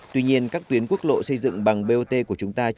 tuy nhiên các tuyến quốc lộ xây dựng bằng bot của chúng ta